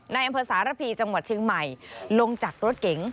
ในอำเภอสารพีจังหวัดเชียงใหม่ลงจากรถเก๋ง